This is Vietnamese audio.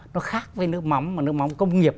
nó khác với nước mắm công nghiệp